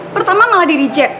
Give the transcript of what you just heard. pertama malah di rejep